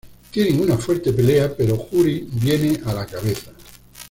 Tienen una fuerte pelea, pero Juri viene a la cabeza.